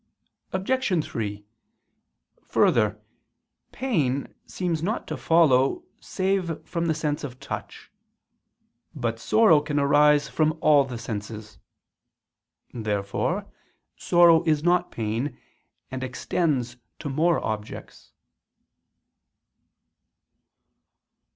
Obj. 3: Further, pain seems not to follow save from the sense of touch. But sorrow can arise from all the senses. Therefore sorrow is not pain, and extends to more objects.